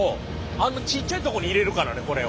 あのちっちゃいとこに入れるからねこれを。